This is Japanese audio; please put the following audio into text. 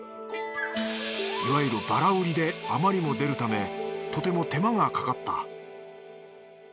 いわゆるバラ売りで余りも出るためとても手間がかかった。